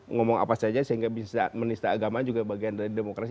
ngomong apa saja sehingga bisa menista agama juga bagian dari demokrasi